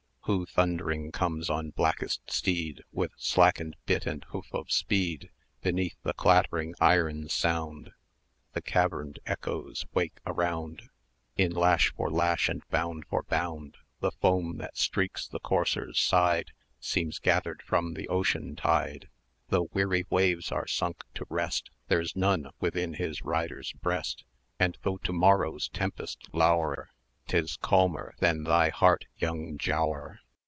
Who thundering comes on blackest steed, 180 With slackened bit and hoof of speed? Beneath the clattering iron's sound The caverned Echoes wake around In lash for lash, and bound for bound: The foam that streaks the courser's side Seems gathered from the Ocean tide: Though weary waves are sunk to rest, There's none within his rider's breast; And though to morrow's tempest lower, 'Tis calmer than thy heart, young Giaour!